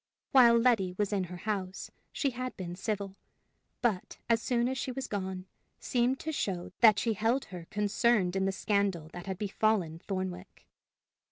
While Letty was in her house, she had been civil, but, as soon as she was gone, seemed to show that she held her concerned in the scandal that had befallen Thornwick.